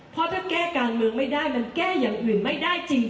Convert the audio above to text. เพราะถ้าแก้การเมืองไม่ได้มันแก้อย่างอื่นไม่ได้จริง